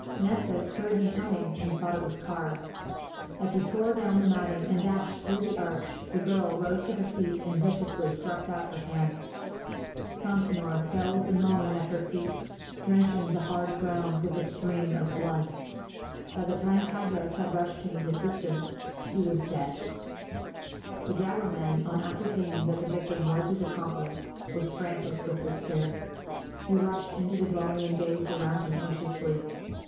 Nephthys heard him coming and thought it was Kāra. As he tore down the matting and dashed through the arch, the girl rose to her feet and viciously thrust out her hand. Consinor fell with a moan at her feet, drenching the hard ground with a stream of blood. By the time Tadros had rushed to his assistance he was dead. The dragoman, on ascertaining that the victim was his accomplice, was frantic with despair. He rushed into the dwelling and gazed around him anxiously.